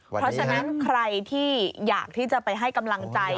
เพราะฉะนั้นใครที่อยากที่จะไปให้กำลังใจ